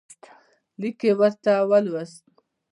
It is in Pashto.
لیک یې ورته ولوست.